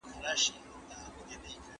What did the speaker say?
هغه مولده پانګه چې دلته شته کافي نه ده.